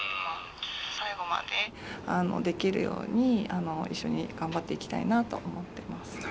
最後までできるように一緒に頑張っていきたいなと思ってます。